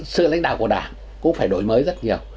sự lãnh đạo của đảng cũng phải đổi mới rất nhiều